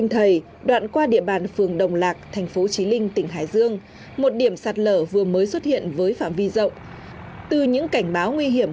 thuộc địa phận huyện kinh môn tỉnh hải dương